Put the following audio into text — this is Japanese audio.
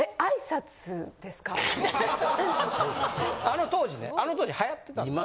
あの当時ねあの当時流行ってたんです。